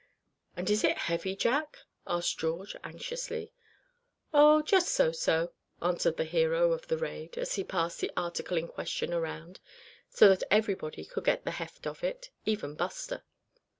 "And is it heavy, Jack?" asked George, anxiously. "Oh! just so so," answered the hero of the raid, as he passed the article in question around, so that everybody could get the heft of it, even Buster.